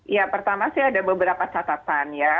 ya pertama sih ada beberapa catatan ya